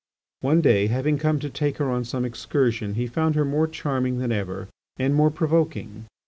One day, having come to take her on some excursion, he found her more charming than ever, and more provoking.